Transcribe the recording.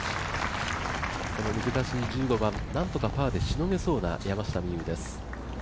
難しい１５番、なんとかパーでしのげそうな山下美夢有です。